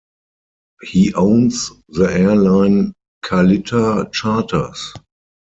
He owns the airline Kalitta Charters.